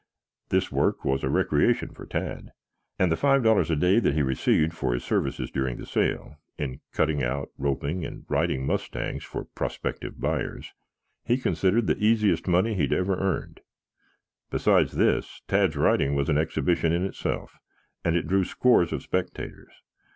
This work was a recreation for Tad, and the five dollars a day that he received for his services during the sale, in cutting out, roping and riding mustangs for prospective buyers, he considered the easiest money he had ever earned. Besides this, Tad's riding was an exhibition in itself, and it drew scores of spectators.